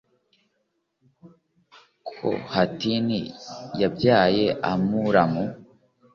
kohatin yabyaye amuramu